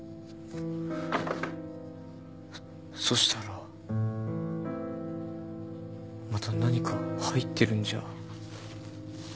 そしたらまた何か入ってるんじゃ。